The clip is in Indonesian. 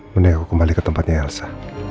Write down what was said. mending aku kembali ke tempatnya elsa